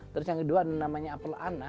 terus yang kedua namanya apel ana